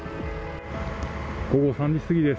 午後３時過ぎです。